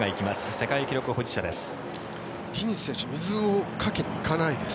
世界記録保持者です。